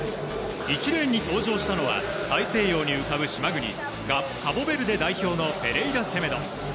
１レーンに登場したのは、大西洋に浮かぶ島国、カボベルデ代表のペレイラセメド。